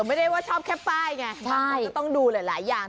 ไม่ได้ว่าชอบแค่ป้ายไงบางคนก็ต้องดูหลายอย่าง